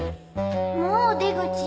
もう出口？